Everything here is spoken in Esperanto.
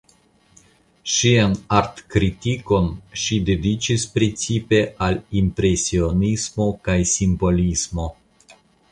Ŝian artkritikon ŝi dediĉis precipe al impresionismo kaj simbolismo.